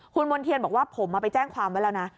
คุณมณ์เทียนบอกว่าผมไปแจ้งความไว้แล้วนะ